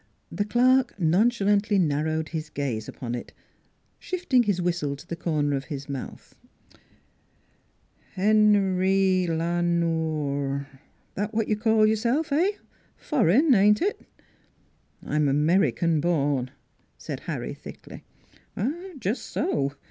The clerk nonchalantly narrowed his gaze NEIGHBORS 243 upon it, shifting his whistle to the corner of his mouth. " Hen rye La Nore that what you call your self eh? Foreign, ain't it?" " I'm American born," said Harry thickly. " Jus' so.